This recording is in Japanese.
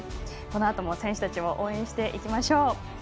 このあとも選手たちを応援していきましょう。